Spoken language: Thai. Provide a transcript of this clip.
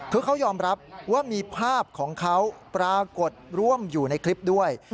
คือเขายอมรับว่ามีภาพของเขาปรากฏร่วมอยู่ในคลิปด้วย